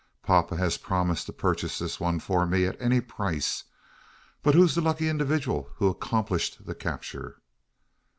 Papa has promised to purchase this one for me at any price. But who is the lucky individual who accomplished the capture?"